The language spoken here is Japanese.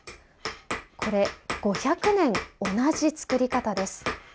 これ５００年同じ作り方です。